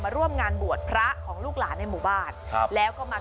ร่วมงานบวชพระของลูกหลานในหมู่บ้านครับแล้วก็มา